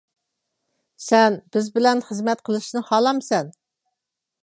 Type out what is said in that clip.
-سەن بىز بىلەن خىزمەت قىلىشنى خالامسەن؟